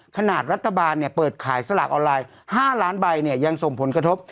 ขนาดรัฐบาลเปิดขายสลากออนไลน์๕ล้านใบยังส่งผลกระทบ